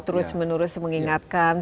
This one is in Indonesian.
terus menurus mengingatkan